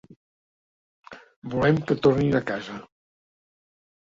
Volem que tornin a casa.